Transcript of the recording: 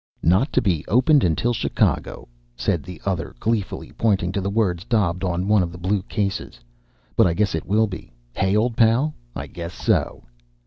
"'Not to be opened until Chicago,'" said the other gleefully, pointing to the words daubed on one of the blue cases. "But I guess it will be hey, old pal? I guess so!"